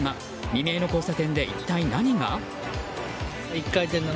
未明の交差点で一体何が？